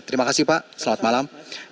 terima kasih pak selamat malam